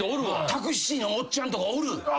タクシーのおっちゃんとかおる。